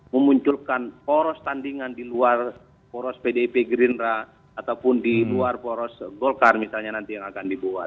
memunculkan poros tandingan diluar poros pdip greenraw ataupun diluar poros golkar misalnya nanti yang akan dibuat